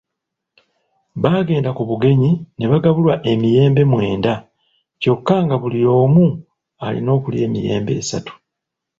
Baagenda ku bugenyi ne bagabulwa emiyembe mwenda kyokka nga buli omu alina okulya emiyembe esatu.